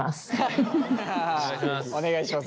お願いします